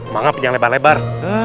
maafin yang lebar lebar